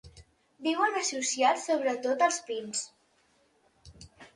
Viuen associats, sobretot, als pins.